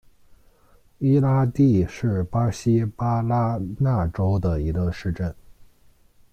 伊拉蒂是巴西巴拉那州的一个市镇。